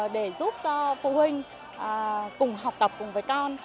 để giúp cho phụ huynh cùng học tập cùng với con